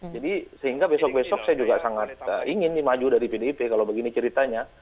jadi sehingga besok besok saya juga sangat ingin maju dari pdip kalau begini ceritanya